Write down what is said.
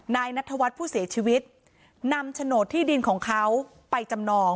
นายนัทวัฒน์ผู้เสียชีวิตนำโฉนดที่ดินของเขาไปจำนอง